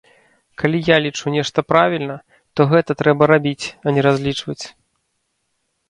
Калі я лічу нешта правільна, то гэта трэба рабіць, а не разлічваць.